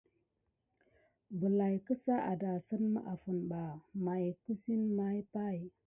Bəlay sika adasine mà afine ɓa may kusimaya pay.